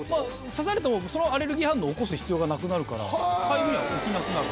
刺されてもそのアレルギー反応を起こす必要がなくなるからかゆみが起きなくなる。